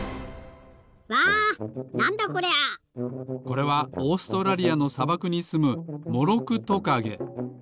これはオーストラリアのさばくにすむモロクトカゲ。